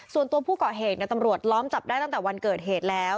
ตัวผู้ก่อเหตุตำรวจล้อมจับได้ตั้งแต่วันเกิดเหตุแล้ว